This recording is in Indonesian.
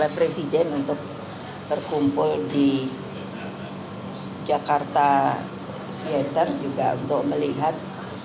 presiden untuk berkumpul di jakarta center juga untuk melihat